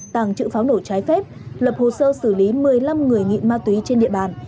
tàng trữ pháo nổ trái phép lập hồ sơ xử lý một mươi năm người nghiện ma túy trên địa bàn